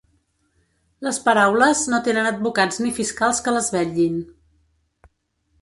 Les paraules no tenen advocats ni fiscals que les vetllin.